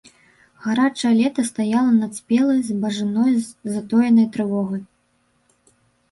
Гарачае лета стаяла над спелай збажыной затоенай трывогай.